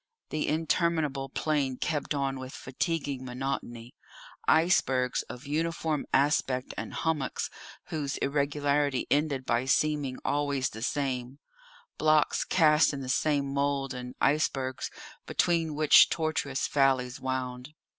The interminable plain kept on with fatiguing monotony; icebergs of uniform aspect and hummocks whose irregularity ended by seeming always the same; blocks cast in the same mould, and icebergs between which tortuous valleys wound.